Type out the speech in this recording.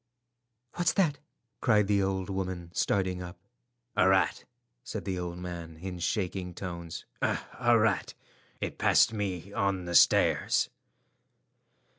"What's that?" cried the old woman, starting up. "A rat," said the old man in shaking tones—"a rat. It passed me on the stairs."